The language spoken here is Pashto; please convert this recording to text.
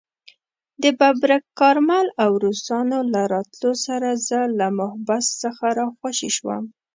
د ببرک کارمل او روسانو له راتلو سره زه له محبس څخه راخوشي شوم.